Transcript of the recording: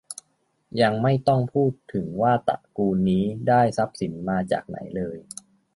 ยังไม่ต้องพูดถึงว่าตระกูลนี้ได้ทรัพย์สินมาจากไหนเลย